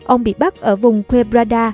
ông bị bắt ở vùng quebrada